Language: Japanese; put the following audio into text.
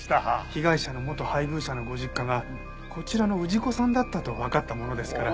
被害者の元配偶者のご実家がこちらの氏子さんだったとわかったものですから。